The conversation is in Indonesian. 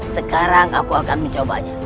sekarang aku akan mencobanya